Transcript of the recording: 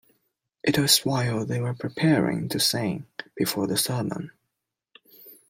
It was while they were preparing to sing, before the sermon.